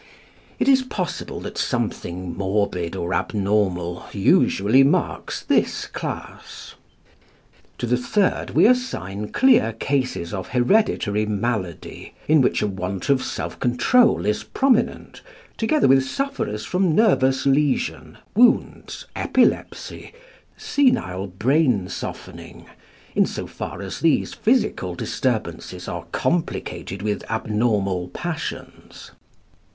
It is possible that something morbid or abnormal usually marks this class. To the third we assign clear cases of hereditary malady, in which a want of self control is prominent, together with sufferers from nervous lesion, wounds, epilepsy, senile brain softening, in so far as these physical disturbances are complicated with abnormal passions.